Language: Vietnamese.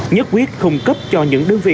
nhất quyết không cấp cho những người bị bệnh